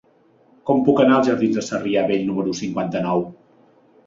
Com puc anar als jardins de Sarrià Vell número cinquanta-nou?